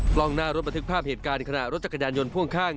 กล้องหน้ารถบันทึกภาพเหตุการณ์ขณะรถจักรยานยนต์พ่วงข้าง